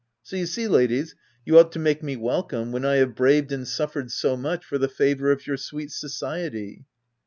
So you see, ladies, you ought to make me welcome when I have braved and suffered so much for the favour of your sweet society.